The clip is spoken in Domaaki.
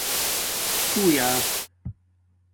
تُھݸیہ